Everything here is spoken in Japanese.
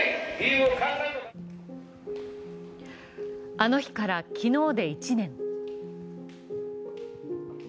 あの日から昨日で１年。